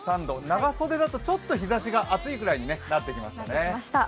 長袖だとちょっと日ざしが暑いぐらいになってきましたね。